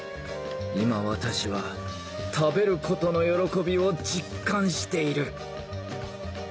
今私は食べることの喜びを実感している！